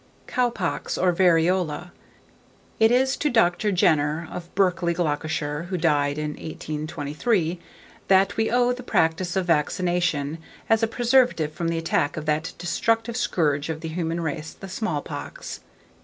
COW POX, OR VARIOLA. It is to Dr. Jenner, of Berkeley, Gloucestershire, who died in 1823, that we owe the practice of vaccination, as a preservative from the attack of that destructive scourge of the human race, the small pox.